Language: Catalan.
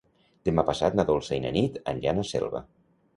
Demà passat na Dolça i na Nit aniran a Selva.